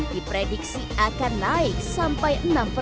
diprediksi akan naik sampai enam persen